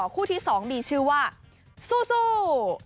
คู่ที่๒มีชื่อว่าสู้